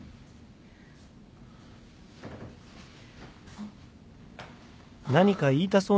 あっ。